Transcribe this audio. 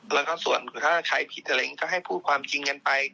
แล้วก็ส่วนถ้าใครผิดอะไรอย่างนี้ก็ให้พูดความจริงกันไป